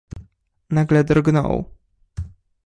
Nagle drgnął.